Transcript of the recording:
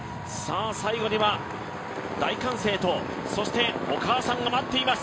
最後には大歓声とそしてお母さんが待っています。